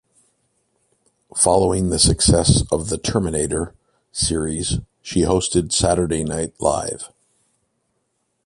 Following the success of the "Terminator" series, she hosted "Saturday Night Live".